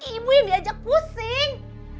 ibu yang diajak pusing